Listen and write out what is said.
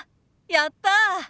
やった。